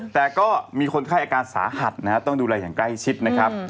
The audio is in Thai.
แต่ก็มีคนไข้อาการสาหัสนะฮะต้องดูแลอย่างใกล้ชิดนะครับ